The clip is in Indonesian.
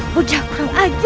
aku akan membuatmu mati